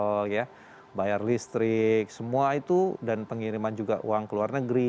jadi kalau dulu ada tabungan ada wesel bayar listrik semua itu dan pengiriman juga uang keluarnya